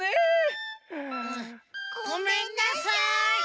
ごめんなさい。